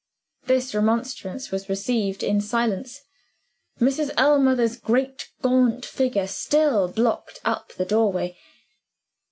This remonstrance was received in silence. Mrs. Ellmother's great gaunt figure still blocked up the doorway.